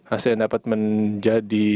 asean dapat menjadi